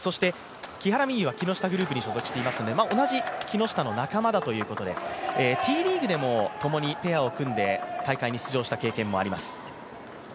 木原美悠は木下グループに所属していますので同じ木下の仲間だということでＴリーグでも、ともにペアを組んで大会に出場した経験もあります。